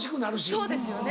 そうですよね。